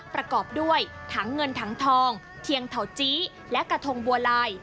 ประกอบด้วยถังเงินถังทองเทียงเถาจี้และกระทงบัวลาย